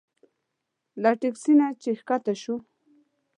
له تکسي نه چې ښکته شوو.